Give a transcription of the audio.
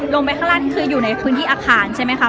ลงไปข้างล่างคืออยู่ในพื้นที่อาคารใช่ไหมคะ